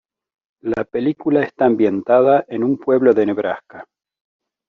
La película está ambientada en un pueblo de Nebraska.